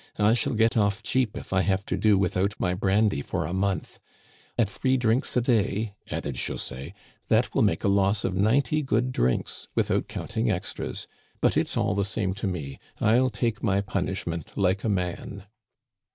I shall get off cheap if I have to do without my brandy for a month ! At three drinks a day," added José, " that will make a loss of ninety good drinks, without counting extras. But it's all the same to me ; I'll take my punishment like a man."